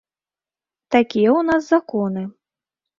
Такія ў нас законы.